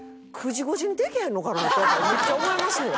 めっちゃ思いますもん。